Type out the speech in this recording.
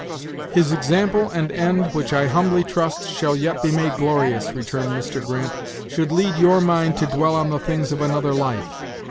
"His example and end, which, I humbly trust, shall yet be made glorious," returned Mr. Grant, "should lead your mind to dwell on the things of another life.